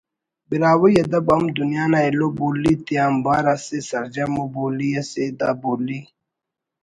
براہوئی ادب ہم دنیا نا ایلو بولی تیانبار اسہ سرجم ءُ بولی اسے دا بولی